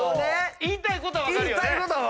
言いたいことは分かるよね。